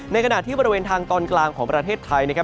ขณะที่บริเวณทางตอนกลางของประเทศไทยนะครับ